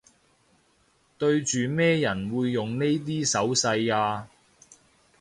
對住咩人會用呢啲手勢吖